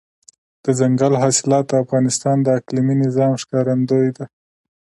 دځنګل حاصلات د افغانستان د اقلیمي نظام ښکارندوی ده.